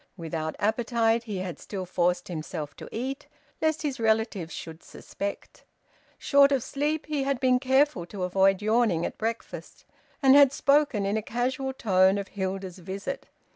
Without appetite, he had still forced himself to eat, lest his relatives should suspect. Short of sleep, he had been careful to avoid yawning at breakfast, and had spoken in a casual tone of Hilda's visit.